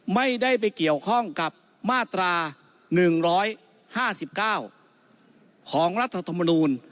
ไม่ได้ไปเกี่ยวข้องกับมาตรา๑๕๙ของรัฐธรรมนูล